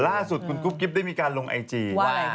ล่าสุดทุกคนได้มีการลงไอจี